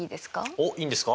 おっいいんですか？